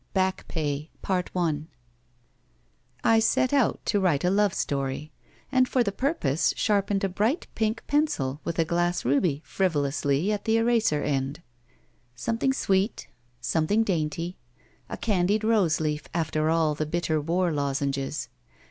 BACK PAY i BACK PAY I SET out to write a love story, and for the purpose sharpened a bright pink pencil with a glass ruby frivolously at the eraser end. SometWng sweet. Something dainty. A candied rose leaf after all the bitter war lozenges.